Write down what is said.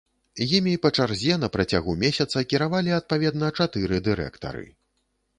Імі па чарзе на працягу месяца кіравалі адпаведна чатыры дырэктары.